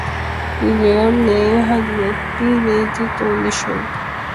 His real name has not been revealed on the show.